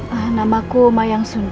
hai namaku mayang sunda